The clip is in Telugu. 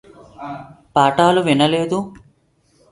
పాఠాలు వినలేడు